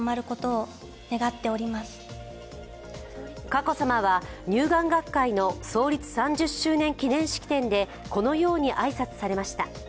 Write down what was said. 佳子さまは、乳癌学会の創立３０周年記念式典でこのように挨拶されました。